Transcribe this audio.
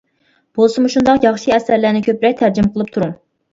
بولسا مۇشۇنداق ياخشى ئەسەرلەرنى كۆپرەك تەرجىمە قىلىپ تۇرۇڭ.